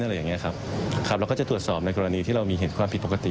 เราก็จะตรวจสอบในกรณีที่เรามีเห็นความผิดปกติ